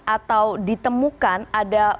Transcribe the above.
atau ditemukan ada